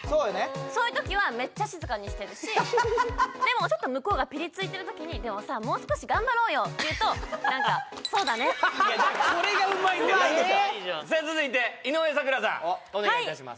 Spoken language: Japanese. そういうときはめっちゃ静かにしてるしでもちょっと向こうがピリついてるときに「でもさもう少し頑張ろうよ」って言うと何か「そうだね」みたいなこれがうまいんだよ続いて井上咲楽さんお願いいたします